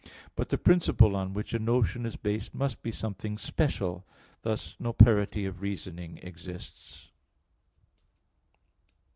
But the principle on which a notion is based must be something special; thus no parity of reasoning exists.